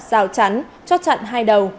rào chắn trót chặn hai đầu